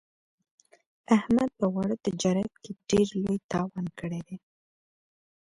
احمد په واړه تجارت کې ډېر لوی تاوان کړی دی.